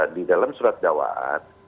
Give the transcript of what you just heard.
di dalam surat dakwaan